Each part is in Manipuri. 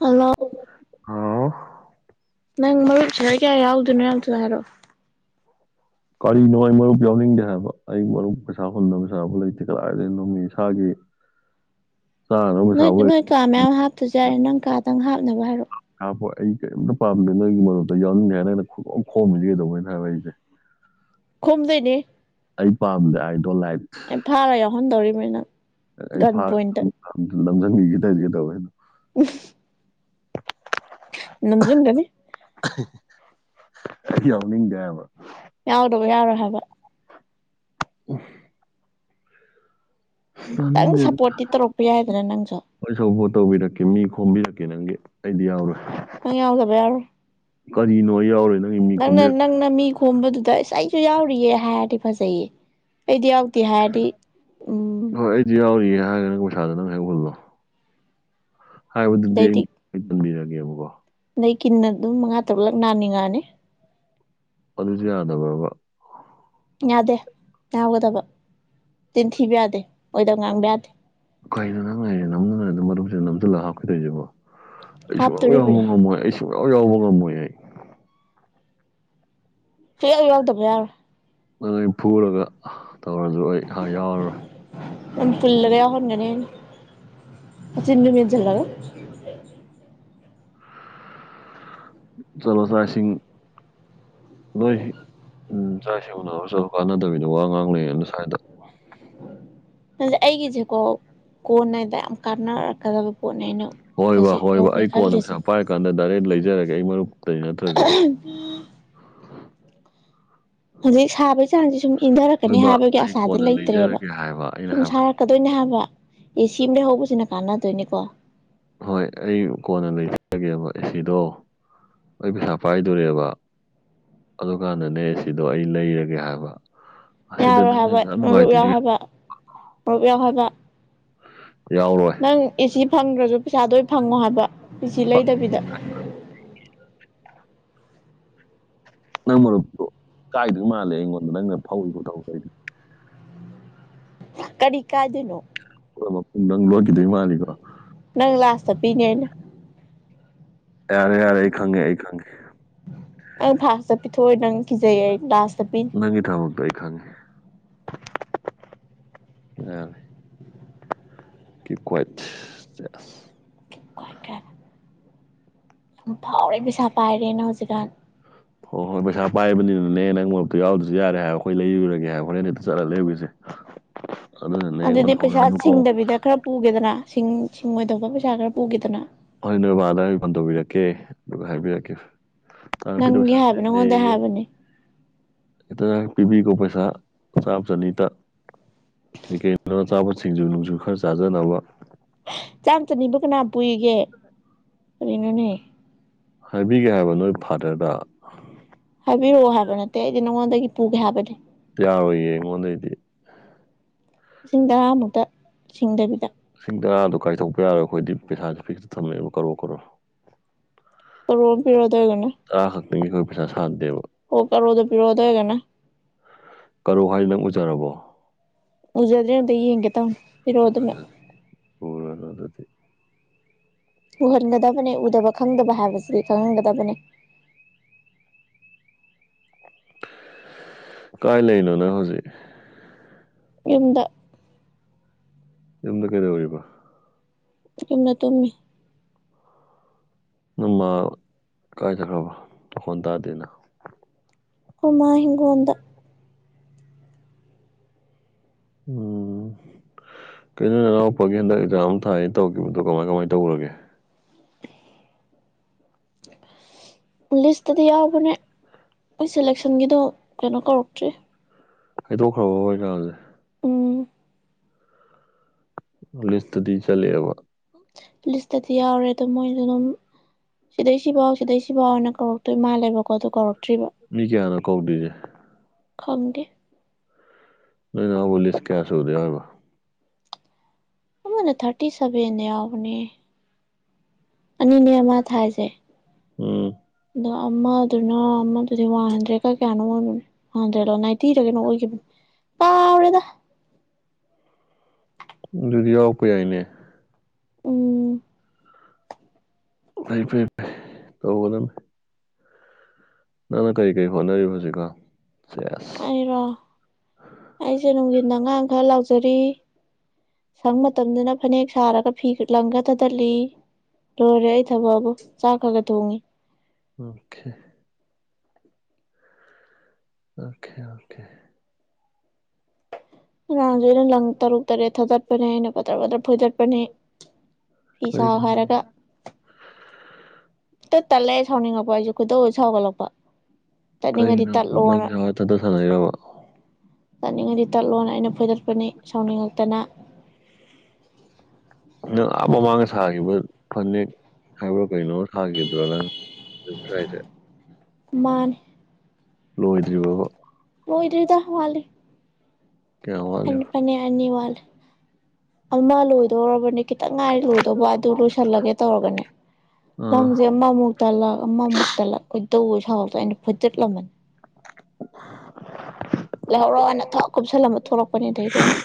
ꯍꯜꯂꯣ ꯍꯥꯎ ꯅꯪ ꯃꯔꯨꯞ ꯁꯤꯌꯥꯔ ꯀꯌꯥ ꯌꯥꯎꯗꯣꯏꯅꯣ ꯌꯥꯝ ꯊꯨꯅ ꯍꯥꯏꯔꯣ ꯀꯔꯤꯅꯣ ꯑꯩ ꯃꯔꯨꯞ ꯌꯥꯎꯅꯤꯡꯗꯦ ꯍꯥꯏꯕ ꯑꯩ ꯃꯔꯨꯞ ꯄꯩꯁꯥ ꯍꯨꯟꯅꯕ ꯁꯥꯕꯨ ꯂꯩꯇꯦ ꯀꯗꯥꯥꯏꯗꯩꯅꯣꯃꯤ ꯏꯁꯥꯒꯤ ꯆꯥꯅꯕ ꯅꯣꯏ ꯄꯩꯁꯥꯕꯨ ꯂꯩ ꯅꯣꯏ ꯀꯥ ꯃꯌꯥꯝ ꯍꯥꯞꯇꯥꯖꯨ ꯌꯥꯔꯦ ꯅꯪ ꯀꯥꯗꯪ ꯍꯥꯞꯅꯕ ꯍꯥꯏꯔꯛꯑꯣ ꯍꯥꯞꯄꯣꯏ ꯑꯩ ꯀꯔꯤꯝꯇꯥ ꯄꯥꯝꯗꯦ ꯅꯣꯏꯒꯤ ꯃꯔꯨꯞꯇꯣ ꯌꯥꯎꯅꯤꯡꯉꯦ ꯍꯥꯏ ꯅꯪꯅ ꯈꯨꯞꯈꯣꯝ ꯈꯣꯝꯃꯤꯖꯦ ꯀꯩꯗꯧꯕꯩꯅꯣ ꯍꯥꯏꯕ ꯑꯩꯖꯦ ꯈꯣꯝꯃꯗꯩꯅꯤ ꯑꯩ ꯄꯥꯝꯗꯦ ꯑꯥꯏ ꯗꯣꯟ ꯂꯥꯏꯕ ꯑꯦ ꯐꯥꯔꯥ ꯌꯥꯎꯍꯟꯗꯧꯔꯤꯃꯤ ꯅꯪ ꯒꯟ ꯄꯣꯏꯟꯠꯇꯥ ꯑꯃꯨꯛꯁꯨ ꯅꯝꯖꯟꯕꯤꯒꯦ ꯇꯩꯖꯦ ꯀꯩꯇꯧꯕꯩꯅꯣ ꯎꯝ ꯅꯝꯖꯤꯟꯒꯥꯅꯤ ꯑꯩꯗꯤ ꯌꯥꯎꯅꯤꯡꯗꯦ ꯍꯥꯏꯕ ꯌꯥꯎꯗꯥꯕ ꯌꯥꯔꯣꯏ ꯍꯥꯏꯕ ꯎꯝ ꯇꯪ ꯌꯥꯎꯅꯤꯡꯗꯦꯗ ꯁꯞꯄꯣꯔꯠꯇꯤ ꯇꯧꯔꯛꯄ ꯌꯥꯏꯗꯅ ꯅꯪꯁꯨ ꯍꯣꯏ ꯁꯄꯣꯔꯠ ꯇꯧꯕꯤꯔꯛꯀꯦ ꯃꯤ ꯈꯣꯝꯕꯤꯔꯛꯀꯦ ꯅꯪꯒꯤ ꯑꯩꯗꯤ ꯌꯥꯎꯔꯣꯏ ꯅꯪ ꯌꯥꯎꯗꯕ ꯌꯥꯔꯣꯏ ꯀꯔꯤꯅꯣ ꯑꯩ ꯌꯥꯎꯔꯣꯏꯅ ꯅꯪꯅ ꯅꯪꯅ ꯃꯤ ꯈꯣꯝꯕꯗꯨꯗ ꯏꯁ ꯑꯩꯖꯨ ꯌꯥꯎꯔꯤꯌꯦ ꯍꯥꯏꯔꯗꯤ ꯐꯖꯩꯌꯦ ꯑꯩꯗꯤ ꯌꯥꯎꯇꯦ ꯍꯥꯏꯔꯗꯤ ꯎꯝ ꯖꯨ ꯌꯥꯎꯔꯤꯌꯦ ꯍꯥꯏꯔꯒ ꯄꯩꯁꯥꯗꯨ ꯅꯪꯅ ꯍꯦꯛ ꯍꯨꯜꯂꯣ ꯍꯥꯏꯕꯗꯨꯗꯤ ꯑꯗꯩꯗꯤ ꯑꯩ ꯗꯝꯕꯤꯔꯒꯦꯕꯒꯣ ꯅꯩ ꯀꯤꯟꯅ ꯑꯗꯨꯝ ꯃꯉꯥ ꯇꯔꯨꯛꯂꯛ ꯅꯥꯅꯤꯡꯉꯥꯅꯤ ꯑꯗꯨꯖꯨ ꯌꯥꯗꯕ꯭ꯔꯥꯕ ꯌꯥꯗꯦ ꯌꯥꯎꯒꯗꯕ ꯇꯤꯟꯊꯤꯕ ꯌꯥꯗꯦ ꯑꯣꯏꯗ ꯉꯥꯡꯕ ꯌꯥꯗꯦ ꯀꯩꯅꯣ ꯅꯪꯅ [unintelligible] ꯃꯔꯨꯝꯁꯤ ꯅꯝꯖꯜꯂꯒ ꯍꯥꯞꯈꯤ ꯇꯩꯖꯤꯕꯨ ꯑꯩ ꯁꯨꯡꯌꯥꯎ ꯌꯥꯎꯕ ꯍꯥꯞꯇꯣꯔꯤꯕꯅꯤ ꯉꯝꯃꯣꯏ ꯑꯩ ꯁꯨꯡꯌꯥꯎ ꯌꯥꯎꯕ ꯉꯝꯃꯣꯏ ꯑꯩ ꯁꯨꯡꯌꯥꯎ ꯌꯥꯎꯗꯕ ꯌꯥꯔꯣꯏ ꯅꯪꯅ ꯑꯩ ꯐꯨꯔꯒꯥ ꯑꯥ ꯇꯧꯔꯖꯨ ꯑꯩ ꯍꯥ ꯌꯥꯎꯔꯔꯣꯏ ꯅꯪ ꯄꯨꯜꯂꯒꯥ ꯌꯥꯎꯍꯟꯒꯥꯅꯤ ꯑꯩꯅ ꯅꯆꯤꯟꯗꯨ ꯃꯦꯟꯖꯤꯜꯂꯒ ꯆꯂꯣ ꯆꯥ ꯏꯁꯤꯡ ꯅꯣꯏ ꯎꯝ ꯆꯥꯛ ꯏꯁꯤꯡ ꯎꯅꯔꯣ ꯆꯠꯂꯨ ꯀꯥꯟꯅꯗꯕꯤꯗ ꯋꯥ ꯉꯥꯡ ꯂꯩꯔꯥꯅꯨ ꯁ꯭ꯋꯥꯏꯗ ꯅꯪꯖꯦ ꯑꯩꯒꯤꯖꯦꯀꯣ ꯀꯣꯟꯅꯗ ꯌꯥꯝ ꯀꯥꯟꯅꯔꯛꯀꯥꯗꯕ ꯄꯣꯠꯅꯦ ꯑꯩꯅ ꯍꯣꯏꯕꯥ ꯍꯧꯖꯤꯛ ꯍꯣꯏꯕꯥ ꯍꯧꯒꯦ ꯑꯩ ꯀꯣꯟꯅ ꯈꯜꯂꯤꯁꯦ ꯅꯨꯡꯁꯥ ꯄꯥꯏꯔ ꯀꯥꯟꯗ ꯗꯥꯏꯔꯦꯛ ꯂꯩꯖꯥꯔꯒꯦ ꯑꯩ ꯃꯔꯨꯞꯇꯩ ꯅꯠꯇ꯭ꯔꯥꯖꯨ [unintelligible] ꯍꯧꯖꯤꯛ ꯁꯥꯕꯒꯤ ꯆꯥꯡꯁꯤ ꯁꯨꯝ ꯍꯣꯏ ꯏꯟꯗꯥꯔꯛꯀꯥꯅꯤ ꯕꯥ ꯍꯥꯏꯕꯒꯤ ꯑꯩ ꯑꯁꯥꯗꯤ ꯀꯣꯟꯅ ꯂꯩꯇ꯭ꯔꯦꯕ ꯂꯩꯖꯔꯒꯦ ꯍꯥꯏꯕ ꯑꯩꯅ ꯁꯨꯝ ꯁꯥꯔ ꯍꯥꯏꯕꯗꯤ ꯀꯥꯗꯣꯏꯅꯦ ꯍꯥꯏꯕ ꯑꯦ ꯁꯤ ꯑꯃ ꯂꯩꯍꯧꯕꯁꯤꯅ ꯀꯥꯟꯅꯗꯣꯏꯅꯦꯀꯣ ꯍꯣꯏ ꯑꯩ ꯀꯣꯟꯅ ꯂꯩꯖꯔꯒꯦꯕ ꯑꯦꯁꯤꯗꯣ ꯑꯩ ꯄꯩꯁꯥ ꯄꯥꯏꯗꯣꯔꯦꯕ ꯑꯗꯨꯀꯥꯟꯗꯅꯦ ꯑꯦꯁꯤꯗꯣ ꯑꯩ ꯂꯩꯔꯒꯦ ꯍꯥꯏꯕ ꯑꯁꯤꯗ ꯌꯥꯔꯣꯏ ꯅꯪꯅ ꯍꯥꯏꯕ ꯌꯥꯝ ꯃꯔꯨꯞ ꯌꯥꯎ ꯅꯨꯡꯉꯥꯏꯇ꯭ꯔꯤꯁꯦ ꯍꯥꯏꯕ ꯃꯔꯨꯞ ꯌꯥꯎ ꯍꯥꯏꯕ ꯌꯥꯎꯔꯣꯏ ꯅꯪ ꯑꯦꯁꯤ ꯐꯪꯗ꯭ꯔꯁꯨ ꯄꯩꯁꯥꯗꯣ ꯐꯪꯉꯣ ꯍꯥꯏꯕ ꯑꯦꯁꯤ ꯂꯩꯗꯕꯤꯗ ꯅꯪ ꯃꯔꯨꯞꯇꯣ ꯀꯥꯏꯗꯧ ꯃꯥꯜꯂꯦ ꯑꯩꯉꯣꯟꯗ ꯅꯪꯅ ꯐꯧꯏꯀꯣ ꯇꯧ ꯀꯔꯤ ꯀꯥꯗꯅꯣ ꯃꯄꯨꯡꯗꯪ ꯂꯣꯠꯈꯤꯗꯣꯏ ꯃꯥꯜꯂꯤꯀꯣ ꯅꯪ ꯂꯥꯁꯇ ꯄꯤꯅꯤ ꯑꯩꯅ ꯌꯥꯔꯦ ꯌꯥꯔꯦ ꯑꯩ ꯈꯪꯉꯦ ꯑꯩ ꯈꯪꯉꯦ ꯑꯪ ꯐꯥꯁ ꯆꯠ ꯄꯤꯊꯣꯛꯑ ꯅꯪ ꯀꯤꯖꯩꯌꯦ ꯑꯩ ꯂꯥꯁ ꯇ ꯄꯤꯅꯤ ꯅꯪꯒꯤ ꯊꯥꯃꯛꯇ ꯑꯩ ꯈꯪꯉꯦ ꯀꯤꯛ ꯀ꯭ꯋꯦꯠ ꯆꯦꯁ ꯀꯣꯏꯀꯦ ꯌꯥꯝ ꯐꯥꯎꯔꯦ ꯄꯩꯁꯥ ꯄꯥꯏꯔꯦꯅ ꯅꯪ ꯍꯧꯖꯤꯛꯀꯥꯟ ꯍꯣꯏ ꯍꯣꯏ ꯄꯩꯁꯥ ꯄꯥꯏꯕꯅꯤꯅꯅꯦ ꯅꯪ ꯃꯔꯨꯞꯇꯣ ꯌꯥꯎꯗꯁꯨ ꯌꯥꯔꯦ ꯍꯥꯏꯕ ꯑꯩꯈꯣꯏ ꯂꯩꯔꯨꯔꯒꯦ ꯍꯥꯏꯕ ꯍꯣꯔꯦꯟ ꯍꯦꯛꯇ ꯆꯠꯂꯒ ꯂꯩꯔꯨꯒꯦꯁꯦ ꯑꯗꯨꯗꯤ ꯄꯩꯁꯥ ꯁꯤꯡꯗꯕꯤꯗ ꯈꯔ ꯄꯨꯒꯦꯗꯅ ꯁꯤꯡ ꯁꯤꯡꯉꯣꯏꯗꯧꯕ ꯄꯩꯁꯥ ꯈꯔ ꯄꯨꯒꯦꯗꯅ ꯍꯣꯔꯦꯜ ꯅꯣꯏꯕꯥꯗ ꯑꯩꯅ ꯐꯣꯟ ꯇꯧꯕꯤꯔꯛꯀꯦ ꯑꯗꯨꯒ ꯍꯥꯏꯕꯤꯔꯛꯀꯦ ꯅꯅꯥꯎꯅꯨꯄꯤꯗꯣ ꯅꯪꯒꯤ ꯄꯩꯁꯥ ꯍꯥꯏꯕ ꯅꯪꯉꯣꯟꯗꯩ ꯆꯤꯜꯂꯦꯌꯦ ꯍꯥꯏꯕꯅꯦ ꯈꯤꯇ ꯄꯤꯕꯤꯀꯣ ꯄꯩꯁꯥ ꯆꯥꯝ ꯆꯅꯤꯇ ꯀꯩ ꯀꯩ [unintelligible] ꯑꯆꯥꯄꯣꯠ ꯁꯤꯡꯖꯨ ꯅꯨꯡꯁꯨ ꯈꯔ ꯆꯥꯖꯅꯕ ꯆꯥꯝ ꯆꯅꯤꯕꯨ ꯀꯅꯥ ꯄꯨꯏꯒꯦ ꯀꯔꯤꯅꯣꯅꯦ ꯍꯥꯏꯕꯤꯒꯦ ꯍꯥꯏꯕ ꯅꯣꯏ ꯐꯥꯗꯔꯗ ꯍꯥꯏꯕꯤꯔꯛꯑꯣ ꯍꯥꯏꯕ ꯅꯠꯇꯦ ꯑꯩꯗꯤ ꯅꯉꯣꯟꯗꯒꯤ ꯄꯨꯒꯦ ꯍꯥꯏꯕꯗꯤ ꯌꯥꯔꯣꯏꯌꯦ ꯑꯩꯉꯣꯟꯗꯩꯗꯤ ꯂꯤꯁꯤꯡ ꯇꯔꯥꯃꯨꯛꯇ ꯁꯤꯡꯗꯕꯤꯗ ꯂꯤꯁꯤꯡ ꯇꯔꯥꯗꯣ ꯀꯥꯏꯗꯣꯛꯄ ꯌꯥꯔꯣꯏ ꯑꯩꯈꯣꯏꯗꯤ ꯄꯩꯁꯥꯁꯦ ꯐꯤꯛꯁꯇ ꯊꯃꯦꯕ ꯀꯔꯣꯔ ꯀꯣꯔꯣ ꯀꯔꯣꯔ ꯑꯝ ꯄꯤꯔꯛ ꯑꯣ ꯑꯗꯣꯏꯔꯒꯅ ꯇꯔꯥ ꯈꯛꯇꯪꯒꯤ ꯑꯩꯈꯣꯏ ꯄꯩꯁꯥ ꯁꯥꯗꯦꯕ ꯑꯣ ꯀꯔꯣꯗꯣ ꯄꯤꯔꯛ ꯑꯣ ꯑꯗꯣꯏꯒꯅ ꯀꯔꯣ ꯍꯥꯏꯁꯦ ꯅꯪ ꯎꯖꯔꯕꯣ ꯎꯖꯗ꯭ꯔꯤ ꯑꯝꯇ ꯌꯦꯒꯦ ꯇꯧꯅꯤ ꯄꯤꯔꯣꯗꯅ ꯎꯔꯥꯔꯣꯏ ꯑꯗꯨꯗꯤ ꯎꯍꯟꯒꯗꯕꯅꯦ ꯎꯗꯕ ꯈꯪꯗꯕ ꯍꯥꯏꯕꯁꯤꯗꯤ ꯈꯪꯍꯟꯒꯗꯕꯅꯦ ꯀꯥꯏ ꯂꯩꯅꯣ ꯅꯪ ꯍꯧꯖꯤꯛ ꯌꯨꯝꯗ ꯌꯨꯝꯗ ꯀꯩꯗꯧꯔꯤꯕ ꯌꯨꯝꯗ ꯇꯨꯝꯃꯤ ꯅꯪꯃꯥ ꯀꯥꯏꯆꯠꯈ꯭ꯔꯕ ꯃꯈꯣꯜ ꯇꯥꯗꯦꯅ ꯑꯩꯈꯣꯏ ꯃꯥ ꯍꯤꯡꯒꯣꯜꯗ ꯎꯝ ꯀꯩꯅꯣ ꯅꯅꯥꯎ ꯄꯛꯌꯦꯜꯗ ꯑꯦꯛꯖꯥ ꯑꯃ ꯊꯥꯏꯅ ꯇꯧꯈꯤꯕꯗꯣ ꯀꯃꯥꯏ ꯀꯃꯥꯏ ꯇꯧꯈ꯭ꯔꯒꯦ ꯄꯨꯂꯤꯁꯇꯥꯗꯤ ꯌꯥꯎꯕꯅꯦ ꯃꯣꯏ ꯁꯦꯂꯦꯛꯁꯟꯒꯤꯗꯣ ꯀꯩꯅꯣ ꯀꯧꯔꯛꯇ꯭ꯔꯤ ꯍꯩꯗꯣꯛꯈ꯭ꯔꯕ ꯑꯦꯛꯖꯥꯝꯁꯦ ꯎꯝ ꯄꯨꯂꯤꯁꯇꯗꯤ ꯆꯂꯦꯕ ꯄꯨꯂꯤꯁꯇꯗꯤ ꯌꯥꯎꯔꯦ ꯑꯗꯣ ꯃꯣꯏꯖꯨ ꯑꯗꯨꯝ ꯁꯤꯗꯩꯁꯤꯐꯥꯎ ꯁꯤꯗꯩ ꯁꯤꯐꯥꯎꯅ ꯀꯧꯔꯛꯇꯣꯏ ꯃꯥꯜꯂꯦꯕꯀꯣ ꯑꯗꯨ ꯀꯧꯔꯛꯇ꯭ꯔꯤꯕ ꯃꯤ ꯀꯌꯥꯅꯣ ꯀꯧꯗꯣꯢꯖꯦ ꯈꯪꯒꯦ ꯅ ꯑꯃꯨꯛ ꯂꯤꯁꯤ ꯀꯌꯥꯁꯨꯕꯘ ꯌꯎꯔꯤꯕ ꯑꯃꯅ ꯊꯥꯔꯇꯤ ꯁꯚꯦꯟꯗ ꯌꯥꯎꯕꯅꯦ ꯑꯅꯤꯅꯦ ꯃꯥ ꯊꯥꯏꯁꯦ ꯎꯝ ꯑꯗꯣ ꯑꯃꯗꯨꯅ ꯑꯃꯗꯨꯗꯤ ꯋꯥꯟ ꯍꯟꯗ꯭ꯔꯦꯠꯀ ꯀꯌꯥꯅꯣ ꯑꯣꯏꯕꯅꯦ [unintelligible] [unintelligible] ꯑꯣꯏꯈꯤꯕꯅꯤ ꯀꯥꯎꯔꯦꯗ ꯑꯗꯨꯗꯤ ꯌꯥꯎꯔꯛꯄ ꯌꯥꯏꯅꯦ ꯎꯝ ꯑꯩꯐꯩ ꯐꯩ ꯇꯧꯒꯗꯕꯅꯤ ꯅꯪꯅ ꯀꯔꯤ ꯀꯔꯤ ꯍꯣꯠꯅꯔꯤꯕ ꯍꯧꯖꯤꯛꯀꯟ ꯁꯦꯁ ꯑꯩꯔꯣ ꯑꯩꯁꯦ ꯅꯨꯡꯊꯤꯟ ꯑꯉꯥꯡ ꯈꯔ ꯂꯛꯆꯔꯤ ꯁꯪ ꯃꯇꯣꯟꯗꯅ ꯐꯅꯦꯛ ꯁꯥꯔꯒ ꯐꯤ ꯂꯪꯒ ꯊꯗꯠꯂꯤ ꯂꯣꯏꯔꯦ ꯑꯩ ꯊꯕꯛꯕꯨ ꯆꯥꯛ ꯈ꯭ꯔꯒ ꯈ꯭ꯔꯒ ꯊꯣꯡꯉꯤ ꯎꯝ ꯑꯣꯀꯦ ꯑꯣꯀꯦ ꯑꯉꯥꯡꯁꯦ ꯑꯩꯅ ꯂꯪ ꯇꯔꯨꯛ ꯇꯔꯦꯠ ꯊꯥꯗꯠꯄꯅꯦ ꯑꯩꯅ ꯕꯗꯔ ꯕꯇ꯭ꯔ ꯐꯣꯏꯗꯠꯄꯅꯦ ꯐꯤ ꯁꯥꯎ ꯀꯔꯤꯒꯤꯅꯣ ꯍꯥꯏꯔꯒ ꯇ ꯇꯜꯂ ꯁꯧꯅꯤꯡ ꯉꯡꯄ ꯑꯩꯖꯨ ꯈꯢꯗꯧ ꯁꯥꯎꯒꯠꯂꯛꯄ ꯇꯠꯅꯤꯡꯉꯗꯤ ꯀꯔꯤꯒꯤꯅꯣ ꯇꯠꯂꯣꯅ ꯅꯪꯁꯦ ꯅꯊꯟꯇ ꯁꯥꯟꯅꯩꯔꯕ ꯇꯠꯅꯤꯡꯉꯥꯏꯗꯤ ꯇꯠꯂꯣꯅ ꯑꯩꯅ ꯐꯣꯏꯗꯠꯄꯅꯤ ꯁꯥꯎꯅꯤꯡꯉꯛꯇꯅ ꯅꯪ ꯑꯥ ꯃꯃꯥꯡꯒ ꯁꯥꯈꯤꯕ ꯐꯅꯦꯛ ꯍꯥꯏꯕ꯭ꯔ ꯀꯩꯅꯣ ꯁꯥꯈꯤꯗ꯭ꯔꯣ ꯅꯪ [unintelligible] ꯃꯥꯥꯅꯦ ꯂꯣꯏꯗ꯭ꯔꯤꯕꯣꯕꯥ ꯂꯣꯏꯗꯔꯗ ꯋꯠꯂꯤ ꯀꯌꯥꯝ ꯐꯅꯤ ꯋꯥꯠꯂꯤꯕ ꯐꯅꯤ ꯑꯅꯤ ꯋꯠꯂꯤ ꯑꯃ ꯂꯣꯏꯗꯧꯔꯕꯅꯦ ꯈꯤꯇꯪ ꯉꯥꯏꯔꯤ ꯂꯣꯏꯗꯧꯕ ꯑꯗꯨ ꯂꯣꯏꯁꯜꯂꯒꯦ ꯇꯧꯔꯒꯅꯦ ꯑꯥ ꯂꯪꯁꯦ ꯑꯃꯃꯨꯛ ꯇꯂꯛ ꯑꯃꯃꯨꯛ ꯇꯂꯛ ꯈꯣꯏꯗꯧꯒ ꯁꯥꯎꯗꯅ ꯑꯩ ꯐꯣꯏꯗꯠꯂꯝꯃꯅꯤ ꯂꯩꯍꯧꯔꯣꯅ ꯊꯛ ꯀꯨꯞꯁꯜꯂꯝꯕ ꯊꯣꯛꯂꯛꯄꯅꯦ ꯑꯗꯩꯗꯤ ꯑꯩꯅ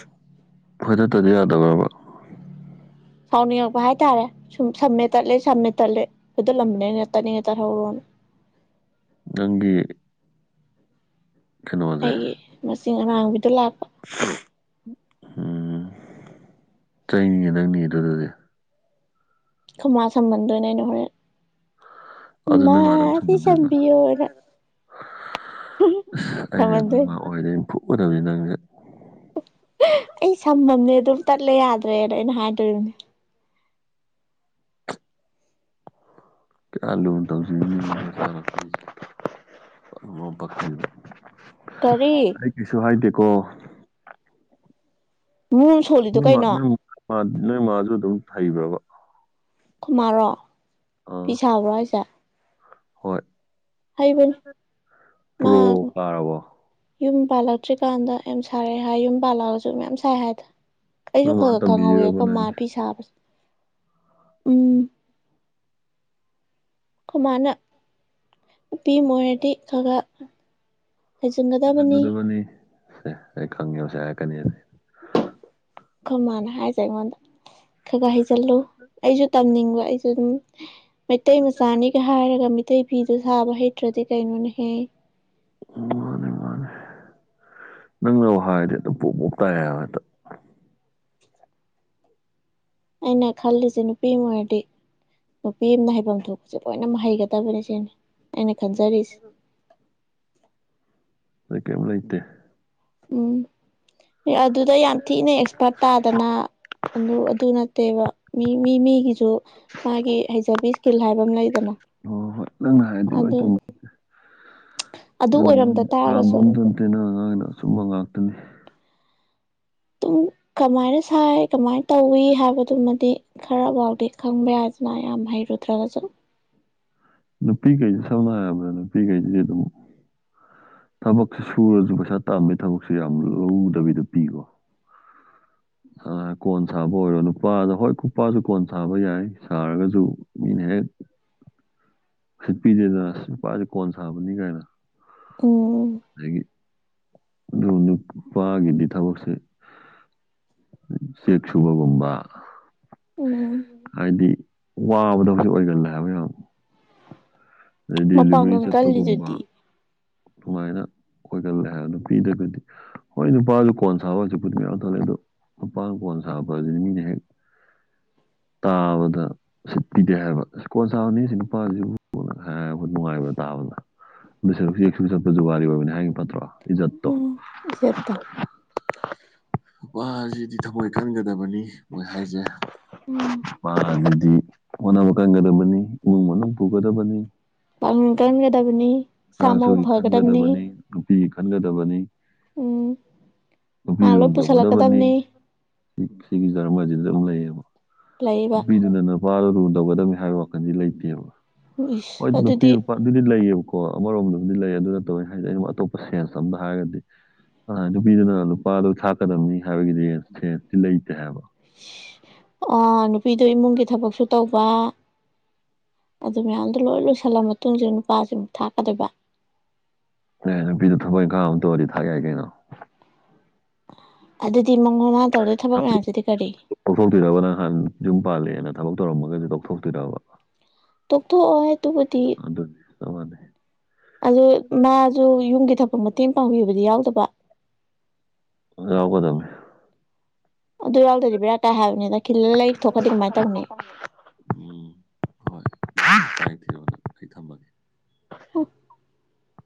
ꯐꯣꯏꯊꯠꯇꯗꯤ ꯌꯥꯗꯕꯔꯕ ꯁꯥꯎꯅꯤꯡꯉꯛꯄ ꯍꯥꯏꯇꯥꯔꯦ ꯁꯨꯝ ꯁꯝꯃꯦ ꯇꯠꯂꯦ ꯁꯝꯃꯦ ꯇꯠꯂꯦ ꯈꯨꯏꯗꯧꯂꯗꯅ ꯇꯠꯅꯤꯡꯉꯥ ꯇꯠꯍꯧꯔꯣꯅ ꯅꯪꯒꯤ ꯀꯩꯅꯣꯁꯦ ꯑꯩꯒꯤ ꯃꯆꯤꯡ ꯑꯔꯥꯡꯕꯤꯗꯣ ꯂꯥꯛꯄ ꯎꯝ ꯆꯩꯅꯤ ꯅꯪꯒꯤꯗꯨꯗꯤ ꯑꯗꯨꯗꯤ ꯈꯨꯃꯥ ꯁꯝꯍꯟꯗꯣꯏ ꯑꯗꯨꯕꯨꯗꯤ ꯑꯗꯨ ꯅꯥ ꯅꯪ ꯃꯥ ꯑꯗꯨꯝ ꯁꯤ ꯁꯨꯝꯃꯟꯗꯣꯏꯕ ꯁꯝꯕꯤ ꯌꯣꯔꯅ ꯍꯝ ꯁꯝꯃꯟꯗꯣꯢ ꯑꯣꯏꯔꯦꯡ ꯐꯨꯎꯒꯗꯕꯅꯦ ꯅꯪꯖ ꯑꯩ ꯁꯝꯃꯝꯅꯦ ꯑꯗꯨꯝ ꯇꯠꯂ ꯌꯥꯗ꯭ꯔꯦꯅ ꯑꯩꯅ ꯍꯥꯏꯗꯨꯔꯅꯤ [unintelligible] ꯀꯔꯤ ꯑꯩ ꯀꯩꯁꯨ ꯍꯥꯏꯗꯦꯀꯣ ꯃꯨꯝ ꯁꯣꯜꯂꯤꯗꯣ ꯅꯣꯏ ꯃꯥ ꯀꯩꯅꯣ ꯅꯣꯏ ꯅꯣꯏ ꯃꯥꯁꯨ ꯑꯗꯨꯝ ꯍꯩꯕ꯭ꯔꯕ ꯑꯩꯈꯣꯏꯃꯥꯔꯣ ꯑꯥ ꯐꯤꯁꯥꯕ꯭ꯔꯣ ꯍꯢꯁꯦ ꯍꯣꯏ ꯍꯩꯕꯅꯤ ꯃꯥ ꯄ꯭ꯔꯣ ꯀꯥꯔꯕꯣ ꯌꯨꯝ ꯄꯥꯜꯂꯛꯇ꯭ꯔꯤꯀꯥꯟꯗ ꯌꯥꯝ ꯁꯥꯏꯑꯦ ꯍꯥꯏ ꯌꯨꯝ ꯄꯥꯜꯂꯛꯑꯁꯨ ꯃꯌꯥꯝ ꯁꯥꯏ ꯍꯥꯏꯗ ꯑꯩꯁꯨ ꯅꯣꯏ ꯈ ꯃꯥꯅ ꯈ ꯈꯪꯍꯧꯋꯦ ꯇꯝꯕꯤꯔꯕ ꯈꯣꯏ ꯃꯥ ꯅꯪꯁꯦ ꯐꯤ ꯁꯥꯕꯁꯦ ꯎꯝ ꯈꯨꯃꯥꯅ ꯅꯨꯄꯤ ꯃꯣꯏꯔꯗꯤ ꯈꯒ ꯍꯩꯖꯟꯒꯗꯕꯅꯤ ꯑꯩ ꯑꯩ ꯈꯪꯉꯦꯕ ꯑꯁꯤ ꯍꯥꯏꯔꯛꯀꯅꯦꯖꯦ ꯈꯣꯃꯥꯅ ꯍꯥꯏꯁꯦ ꯑꯩꯉꯣꯟꯗ ꯈꯒ ꯍꯩꯖꯜꯂꯨ ꯑꯩꯖꯨ ꯇꯝꯅꯤꯡꯕ ꯑꯩꯖꯨ ꯑꯗꯨꯝ ꯃꯩꯇꯩ ꯃꯆꯥꯅꯤꯒ ꯍꯥꯏꯔꯒ ꯃꯤꯠ ꯇꯩ ꯐꯤꯗꫭ ꯁꯥꯕ ꯍꯩꯇ꯭ꯔꯗꯤ ꯀꯩꯅꯣꯅꯦꯍꯦ ꯎꯝ ꯃꯥꯅꯤ ꯃꯥꯅꯤ ꯅꯪꯅꯕꯨ ꯍꯥꯏꯔꯗꯤ ꯑꯗꯨꯝ ꯄꯣꯞ ꯄꫭꯞ ꯇꯥꯏꯕ ꯍꯦꯛꯇ ꯑꯩꯅ ꯈꯜꯂꯤꯁꯦ ꯅꯨꯄꯤꯝ ꯑꯣꯏꯔꯗꯤ ꯅꯨꯄꯤ ꯑꯝꯅ ꯍꯩꯕꯝ ꯊꯣꯛꯄꯖ ꯂꯣꯏꯅꯃꯛ ꯍꯩꯒꯗꯝꯅꯦ ꯁꯤꯅꯤ ꯑꯩꯅ ꯈꯟꯖꯔꯤ ꯑꯩ ꯀꯩꯝ ꯂꯩꯇꯦ ꯎꯝ ꯑꯗꯨꯗ ꯌꯥꯝ ꯊꯤꯅ ꯑꯦꯛꯁꯄꯥꯔꯠ ꯇꯥꯗꯅ ꯑꯗꯨ ꯑꯗꯨ ꯅꯠꯇꯦꯕ ꯃꯤ ꯃꯤ ꯃꯤꯒꯤꯁꯨ ꯃꯥꯒꯤ ꯍꯩꯖꯕꯤ ꯀꯤꯜ ꯍꯥꯏꯕ ꯑꯝ ꯂꯩꯗꯅ ꯑꯣ ꯍꯣꯏ ꯅꯪꯅ ꯍꯥꯏꯔꯗꯤ ꯂꯣꯏ ꯑꯗꯨ ꯆꯨꯃꯦ [unintelligible] [unintelligible] ꯑꯗꯨ ꯅꯪ ꯑꯣꯏꯔꯝꯗ ꯇꯥꯔꯒꯁꯨ ꯉꯥꯡꯉꯤꯗꫭ ꯑꯆꯨꯝꯕ ꯉꯥꯛꯇꯅꯦ ꯇꯨꯝ ꯀꯃꯥꯏꯅ ꯁꯥꯏ ꯀꯃꯥꯏꯟ ꯇꯧꯏ ꯍꯥꯏꯕꯗꯨꯃꯗꯤ ꯈꯔ ꯕꯥꯎꯗꯤ ꯈꯪꯕ ꯌꯥꯏꯗꯅ ꯌꯥꯝ ꯍꯩꯔꯨꯗ꯭ꯔꯒꯖꯨ ꯅꯨꯄꯤꯒꯩꯖꯦ ꯁꯝꯅ ꯍꯥꯏꯔꯕꯗ ꯅꯨꯄꯤꯈꯩꯖꯦ ꯑꯗꯨꯝ ꯊꯕꯛ ꯁꯨꯔꯖꯨ ꯄꯩꯁꯥ ꯇꯥꯟꯕꯩ ꯊꯕꯛꯁꯨ ꯌꯥꯝ ꯂꯧꯗꯕꯤꯗ ꯄꯤꯀꯣ [inaudible] ꯑ ꯀꯣꯟ ꯁꯥꯕ ꯑꯣꯏꯔꯣ ꯅꯨꯄꯥꯗ ꯍꯣꯏ ꯅꯨꯄꯥꯖꯨ ꯀꯣꯟ ꯁꯥꯕ ꯌꯥꯏ ꯁꯥꯔꯒꯁꯨ ꯃꯤꯅ ꯍꯦꯛ ꯁꯤꯠꯄꯤꯗꯦꯗꯅ ꯁꯤ ꯅꯨꯄꯥꯖꯦ ꯀꯣꯟ ꯁꯥꯕꯅꯤ ꯀꯥꯏꯅ ꯎꯝ ꯑꯗꯒꯤ ꯑꯗꯨ ꯅꯨꯄꯥꯒꯤꯗꯤ ꯊꯕꯛꯁꯦ ꯆꯦꯛ ꯁꯨꯕꯒꯨꯝꯕ ꯎꯝ ꯍꯥꯏꯗꯤ ꯋꯥꯕꯗ [unintelligible] ꯑꯣꯏꯒꯜꯂꯦꯕ ꯌꯥꯝ ꯑꯗꯩ ꯗꯦꯂꯤꯚꯔꯤ ꯃꯄꯥꯡꯒꯜ ꯆꯠꯄꯒꯨꯝꯕ ꯀꯜꯂꯤꯗꯨꯗꯤ ꯗꯨꯃꯥꯏꯅ ꯈꯣꯏꯒꯜꯂꯦ ꯍ ꯅꯨꯄꯤꯗꯒꯗꯤ ꯍꯣꯏ ꯅꯨꯄꯥꯖꯨ ꯀꯣꯟ ꯁꯥꯕ ꯍꯖꯤꯛꯄꯨꯗꯤ ꯃꯌꯥꯝ ꯇꯧꯅꯩ ꯑꯗꯣ ꯅꯨꯄꯥꯅꯥ ꯀꯣꯟ ꯁꯥꯕꯖꯦ ꯃꯤꯅ ꯍꯦꯛ ꯇꯥꯕꯗ ꯎꯁꯤꯠ ꯄꯤꯗꯦ ꯍꯥꯏꯕ ꯁꯤ ꯀꯣꯟ ꯁꯥꯕꯅꯤ ꯁꯤ ꯅꯨꯄꯥꯁꯤꯕꯨ [unintelligible] ꯅꯨꯡꯉꯥꯏꯕ꯭ꯔꯥ ꯇꯥꯕꯗ ꯑꯗꯨ [unintelligible] ꯁꯨ ꯆꯠꯄ ꯖꯨꯒꯥꯂꯤ ꯑꯣꯏꯕꯅꯦ ꯍꯥꯏꯒꯤꯝ ꯐꯠꯇ꯭ꯔꯣ ꯏꯖꯠꯇꯣ ꯏꯆꯠꯇ ꯅꯨꯄꯥꯖꯤꯗꯤ ꯊꯃꯣꯏ ꯀꯟꯒꯗꯕꯅꯤ ꯃꯣꯏ ꯍꯥꯏꯖꯦ [unintelligible] ꯎꯝ ꯄꯥꯖꯤꯗꯤ ꯍꯣꯠꯅꯕ ꯀꯟꯒꯗꯕꯅꯤ ꯏꯃꯨꯡ ꯃꯅꯨꯡ ꯄꯨꯒꯗꯕꯅꯤ ꯄꯥꯡꯉꯟ ꯀꯟꯒꯗꯕꯅꯤ ꯁꯥ ꯃꯎ ꯆꯥꯁꯨꯒꯤ ꯐꯒꯗꯕꯅꯤ ꯈꯟꯒꯗꯕꯅꯤ ꯅꯨꯄꯤꯒꯤ ꯈꯟꯒꯗꯕꯅꯤ ꯎꯝ ꯅꯨꯄꯤ ꯃꯥ ꯂꯣꯏ ꯂꯨꯟ ꯇꯧꯒꯗꯕꯅꯤ ꯄꯨꯁꯜꯂꯛꯀꯗꯕꯅꯤ ꯁꯤꯒꯤ ꯖꯔꯃꯁꯤꯗ ꯑꯗꯨꯝ ꯂꯩꯌꯦꯕ ꯂꯩꯕ ꯅꯨꯄꯤꯗꯨꯗꯅ ꯅꯨꯄꯥꯗꫭ ꯂꯨ ꯇꯧꯒꯗꯕꯅꯤ ꯍꯥꯏꯕꯒꯤ ꯋꯥꯈꯜꯗꯤ ꯂꯩꯇꯦꯕ ꯏꯁ ꯍꯣꯏ ꯅꯨꯄꯤ ꯑꯗꯨꯗꯤ ꯅꯨꯄꯥ ꯑꯗꯨꯗꯤ ꯂꯩꯌꯦꯕꯀꯣ ꯀꯣ ꯑꯃꯔꯣꯝꯗꯕꯨꯗꯤ ꯂꯩ ꯑꯗꯨ ꯅꯠꯇꯕ ꯑꯩ ꯍꯥꯏꯖꯦ ꯑꯩꯩꯅ ꯑꯇꯣꯞꯄ ꯁꯦꯟꯁ ꯑꯝꯗ ꯍꯥꯏꯔꯒꯗꯤ ꯑ ꯅꯨꯄꯤꯗꯨꯅ ꯅꯨꯄꯥꯗꯣ ꯊꯥꯛꯀꯗꯕꯅꯤ ꯍꯥꯏꯕꯒꯤꯗꯤ ꯁꯦꯟꯁꯇꯤ ꯂꯩꯇꯦ ꯍꯥꯏꯕ ꯑ ꯅꯨꯄꯤꯗꯣ ꯏꯃꯨꯡꯒꯤ ꯊꯕꯛꯁꯨ ꯇꯧꯕ ꯑꯗꯨ ꯃꯌꯥꯝꯗꯣ ꯂꯣꯏ ꯂꯣꯏꯁꯜꯂ ꯃꯇꯨꯡꯖꯤ ꯅꯨꯄꯥꯖꯤꯃꯨꯛ ꯊꯥꯛꯀꯗꯣꯏꯕ ꯑꯦ ꯅꯨꯄꯤꯗꯣ ꯊꯕꯛ ꯏꯪꯒꯥꯡ ꯑꯃ ꯇꯧꯔꯗꯤ [unintelligible] ꯌꯥꯏ ꯀꯩꯅꯣ ꯑꯗꯨꯗꯤ [unintelligible] ꯇꯧꯗꯣꯏ ꯊꯕꯛ ꯃꯌꯥꯝꯁꯤꯗꯤ ꯀꯔꯤ ꯇꯧꯊꯣꯛꯇꯣꯏꯔꯕ ꯅꯪ ꯍꯥꯟ ꯌꯨꯝ ꯄꯥꯜꯂꯦꯅ ꯊꯕꯛ ꯇꯧꯔꯝꯃꯒꯖꯨ ꯇꯧꯊꯣꯛꯇꯣꯏꯔꯕ ꯇꯣꯛꯊꯣꯛꯑꯣ ꯇꯨꯕꯨꯗꯤ ꯆꯞꯃꯟꯅꯩ ꯑꯗꯨ ꯃꯥꯖꯨ ꯌꯨꯝꯒꯤ ꯊꯕꯛ ꯃꯇꯦꯡ ꯄꯥꯡꯕꯤꯕꯗꯤ ꯌꯥꯎꯗꯕ ꯌꯥꯎꯒꯗꯝꯅꯤ ꯑꯗꯨ ꯌꯥꯎꯗꯗꯤ ꯕꯤꯔꯥ ꯀꯥꯏ ꯍꯥꯏꯕꯅꯤꯗ ꯈꯤꯜꯂ ꯂꯩ ꯊꯣꯛꯈꯗꯤ ꯀꯃꯥꯏꯅ ꯇꯧꯅꯤ ꯎꯝ ꯍꯣꯏ ꯇꯥꯏ ꯊꯤꯔꯣ ꯅꯪ ꯑꯩ ꯊꯝꯃꯒꯦ [unintelligible]